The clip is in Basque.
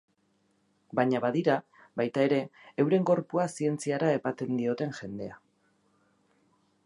Baina badira baita ere euren gorpua zientziara ematen dioten jendea.